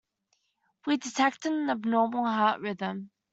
We detected an abnormal heart rhythm.